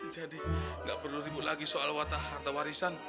jadi nggak perlu ribut lagi soal harta warisan